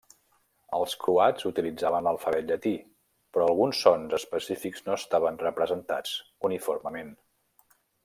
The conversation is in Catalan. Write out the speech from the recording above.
Els croats utilitzaven l'alfabet llatí, però alguns sons específics no estaven representats uniformement.